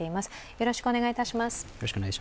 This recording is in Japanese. よろしくお願いします。